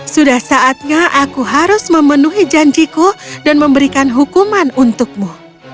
sudah saatnya aku harus memenuhi janjiku dan memberikan hukuman untukmu